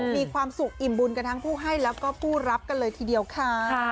มีความสุขอิ่มบุญกันทั้งผู้ให้แล้วก็ผู้รับกันเลยทีเดียวค่ะ